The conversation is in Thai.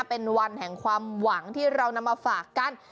เป็นวันแห่งความหวังที่เรานำมาฝากกัน